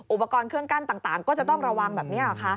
อุปกรณ์เครื่องกั้นต่างก็จะต้องระวังแบบนี้หรอคะ